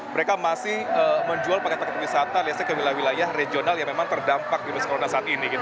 mereka masih menjual paket paket wisata listrik ke wilayah wilayah regional yang memang terdampak virus corona saat ini